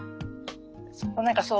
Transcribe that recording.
何かそう。